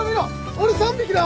俺３匹だ！